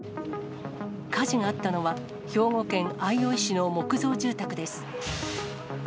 火事があったのは、兵庫県相生市の木造住宅です。